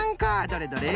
どれどれ。